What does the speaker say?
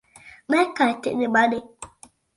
Nekaitini mani!